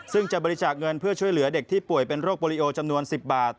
ซึ่งจะบริจาคเงินเพื่อช่วยเหลือเด็กที่ป่วยเป็นโรคโปรลิโอจำนวน๑๐บาท